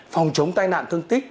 phòng chống tai nạn thương tích